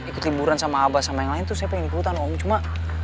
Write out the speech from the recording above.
ikut liburan sama abah sama yang lain tuh saya pengen ikutan om cuma